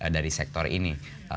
dari sektor ini